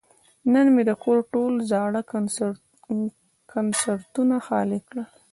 نن مې د کور ټول زاړه کنسترونه خالي کړل.